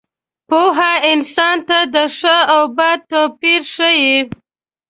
پوهه انسان ته د ښه او بد توپیر ښيي.